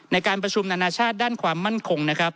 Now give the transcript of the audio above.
ในการประชุมนานาชาติด้านความมั่นคงนะครับ